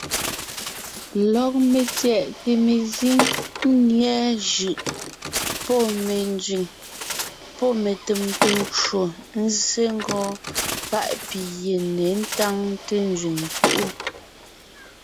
Lɔg metyɛʼte mezíŋ nyɛ̀ɛ jʉʼ, pɔ́ me nzẅìŋ, pɔ́ me tecwòŋo nzsé ngɔɔn páʼ pi yé ně táŋte nzẅìŋ púʼu.